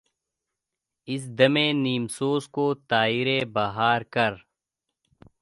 اس دم نیم سوز کو طائرک بہار کر